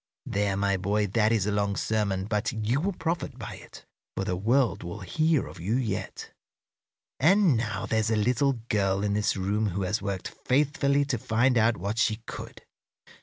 There, my boy, that is a long sermon, but you will profit by it, for the world will hear of you yet. "And now there's a little girl in this room who has worked faithfully to find out what she could.